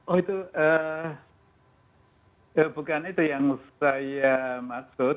oh itu bukan itu yang saya maksud